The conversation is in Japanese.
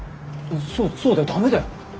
そうそうだよダメだよ。